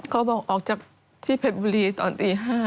เขาบอกออกจากที่เพชรบุรีตอนตี๕